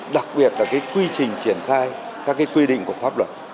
đặc biệt là cái quy trình triển khai các quy định của pháp luật